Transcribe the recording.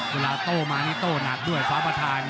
โต้มานี่โต้หนักด้วยฟ้าประธาน